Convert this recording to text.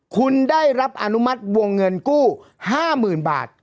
คุณได้รับอนุมัติวงเงินกู้๕๐๐๐บาท